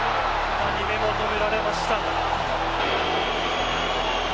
２人目も止められました。